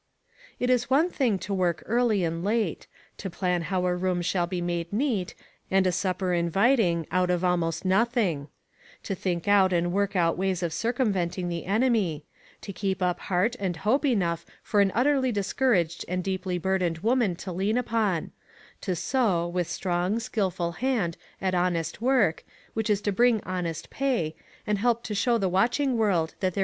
It is one thing to work early and late; to plan how a room shall be made neat, and a supper inviting out of almost noth ing ; to think out and work out ways of circumventing the enemy ; to keep up heart and hope enough for an utterly discouraged and deeply burdened woman to lean upon; to sew, with strong, skilful hand at honest work, which is to bring honest pay, and help to show the watching world that there DISCIPLINE.